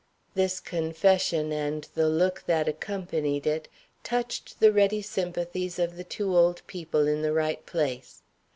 This confession, and the look that accompanied it, touched the ready sympathies of the two old people in the right place.